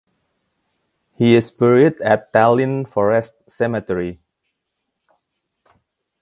He is buried at Tallinn Forest Cemetery.